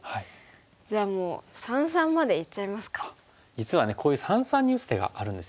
実はねこういう三々に打つ手があるんですよね。